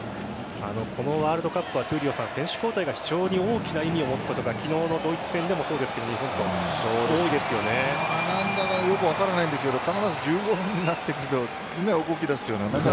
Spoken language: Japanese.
このワールドカップは選手交代が非常に大きな意味を持つことが昨日のドイツ戦でもそうですが何だかよく分からないですけど必ず１５分になってくるとみんな動き出すような。